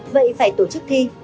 vậy phải tổ chức thi